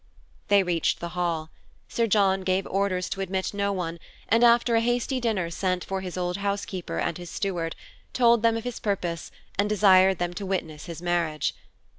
They reached the Hall. Sir John gave orders to admit no one and after a hasty dinner sent for his old housekeeper and his steward, told them of his purpose, and desired them to witness his marriage.